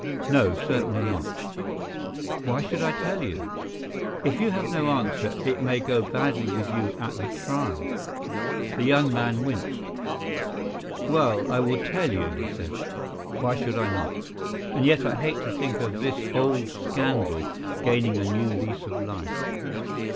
"No, certainly not." "Why should I tell you?" "If you have no answer, it may go badly with you at the trial." The young man winced. "Well, I will tell you," he said. "Why should I not? And yet I hate to think of this old scandal gaining a new lease of life.